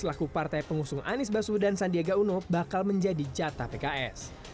laku partai pengusung anies basu dan sandiaga uno bakal menjadi jata pks